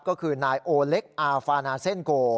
ก็คือนายโอเล็กอาฟานาเซ็นโก